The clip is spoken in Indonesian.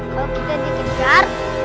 kalau kita dikejar